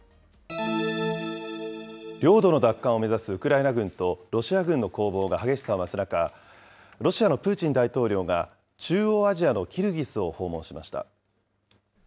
領土の奪還を目指すウクライナ軍と、ロシア軍の攻防が激しさを増す中、ロシアのプーチン大統領が中央アジアのキルギスを訪問しました。